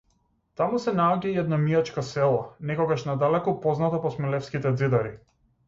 Таму се наоѓа и едно мијачко село, некогаш надалеку познато по смилевските ѕидари.